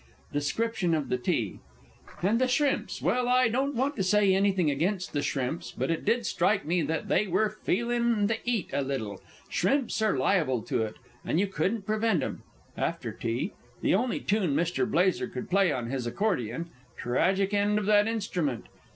[Description of the tea: "And the s'rimps well, I don't _want to say anything against the s'rimps but it did strike me they were feelin' the 'eat a little s'rimps are liable to it, and you can't prevent 'em." After tea. The only tune_ Mr. Blazer _could play on his accordion. Tragic end of that instrument.